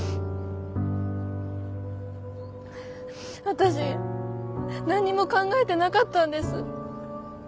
私何にも考えてなかったんです。